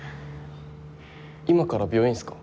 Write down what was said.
今から病院っすか？